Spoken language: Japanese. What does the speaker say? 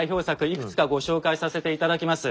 いくつかご紹介させて頂きます。